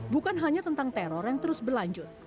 bukan hanya tentang teror yang terus berlanjut